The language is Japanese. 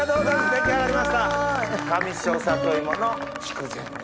出来上がりました上庄さといもの筑前煮。